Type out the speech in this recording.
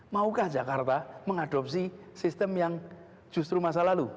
maukah jakarta mengadopsi sistem yang justru masa lalu